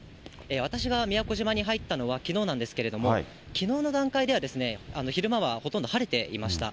私が宮古島に入ったのはきのうなんですけれども、きのうの段階では昼間はほとんど晴れていました。